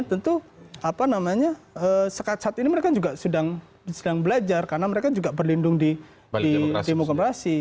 tentu sekacat ini mereka juga sedang belajar karena mereka juga berlindung di demokrasi